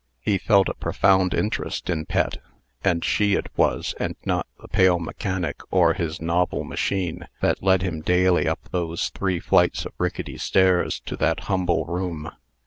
He felt a profound interest in Pet; and she it was, and not the pale mechanic or his novel machine, that led him daily up those three flights of rickety stairs to that humble room.